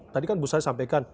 tadi kan bu sari sampaikan